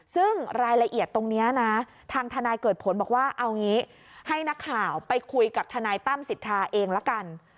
ซึ่งรายละเอียดตรงนี้นะทางทนายเกิดผลบอกว่าเอางี้ให้นักข่าวไปคุยกับทนายตั้มสิทธาเองละกัน